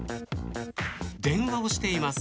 電話をしています。